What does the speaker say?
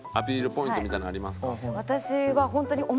ポイントみたいなのありますか？